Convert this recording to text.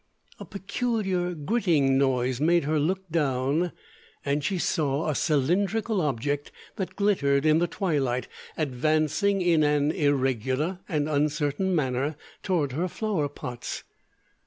A peculiar gritting noise made her look down, and she saw a cylindrical object that glittered in the twilight, advancing in an irregular and uncertain manner toward her flower pots.